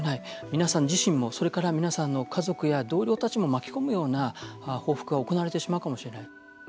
皆さん自身もそれから、皆さんの家族や同僚たちも巻き込むような報復が行われてしまうかもしれない。